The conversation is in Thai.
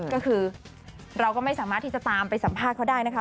ก็คือเราก็ไม่สามารถที่จะตามไปสัมภาษณ์เขาได้นะคะ